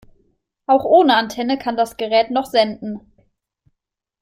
Auch ohne Antenne kann das Gerät noch senden.